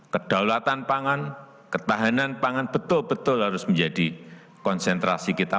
kedaulatan pangan ketahanan pangan betul betul harus menjadi konsentrasi kita